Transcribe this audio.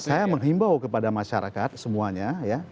saya mengimbau kepada masyarakat semuanya